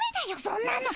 そんなの。